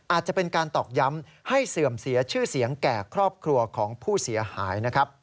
อาจจะเป็นการตอกย้ำให้เสื่อมเสียชื่อเสียงแก่ครอบครัวของผู้เสียหายนะครับ